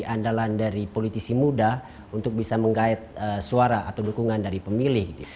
kemudian bisa menjadi pandangan dari politisi muda untuk bisa mengait suara atau dukungan dari pemilih